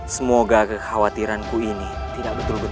semoga kekhawatiran ku ini tidak terlalu banyak